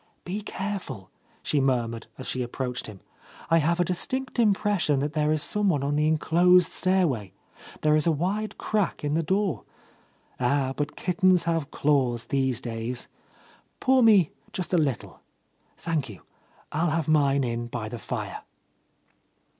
"Be careful," she murmured as she ap proached him, "I have a distinct impression that there is some one on the enclosed stairway. There is a wide crack in the door. Ah, but kittens have claws, these days! Pour me just a little. Thank you. I'll have mine in by the fire."